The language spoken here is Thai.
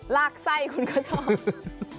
ลากไส้คุณก็ชอบ